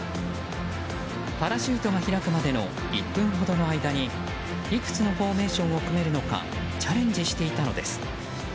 パラシュートが開くまでの１分ほどの間にいくつのフォーメーションを組めるのかチャレンジしていたのです。